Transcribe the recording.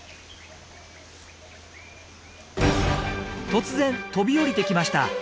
突然飛び降りてきました。